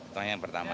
temannya yang pertama